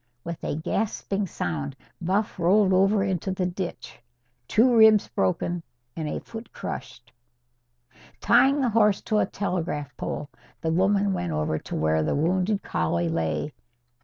With a gasping sound, Buff rolled over into the ditch, two ribs broken and a foot crushed. Tying the horse to a telegraph pole, the woman went over to where the wounded collie lay.